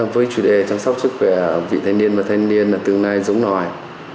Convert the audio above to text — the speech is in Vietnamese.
với chủ đề chăm sóc sức khỏe vị thanh niên và thanh niên là từ nay dũng nói